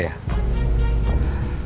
sudah tiga bulan ya